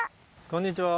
こんにちは！